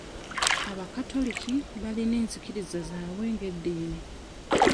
Abakatoliki balina enzikiriza zaabwe ng'eddiini.